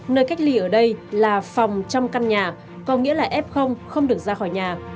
nơi cách ly ở đây là phòng trong căn nhà có nghĩa là f không được ra khỏi nhà